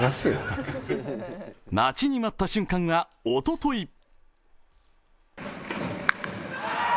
待ちに待った瞬間はおととい。